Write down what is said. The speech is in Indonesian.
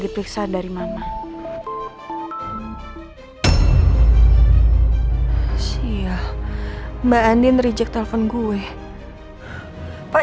selamat siang bapak ibu